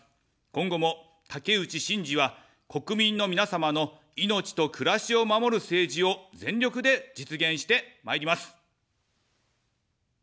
今後も、竹内しんじは、国民の皆様の命と暮らしを守る政治を全力で実現してまいります。